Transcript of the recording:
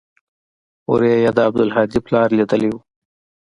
هورې يې د عبدالهادي پلار ليدلى و.